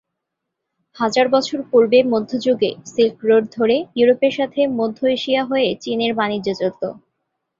হাজার বছর পূর্বে মধ্যযুগে সিল্ক রোড ধরে ইউরোপের সাথে মধ্য এশিয়া হয়ে চীনের বাণিজ্য চলত।